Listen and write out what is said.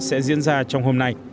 sẽ diễn ra trong hôm nay